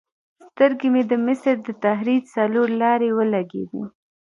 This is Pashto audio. سترګې مې د مصر د تحریر څلور لارې ولګېدې.